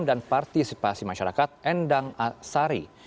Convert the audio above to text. dan partisipasi masyarakat endang asari